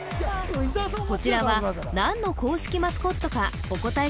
こちらは何の公式マスコットかお答え